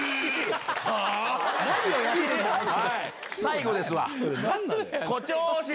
はあ⁉最後ですわ。